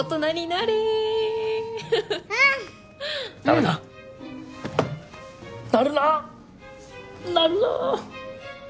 なるな。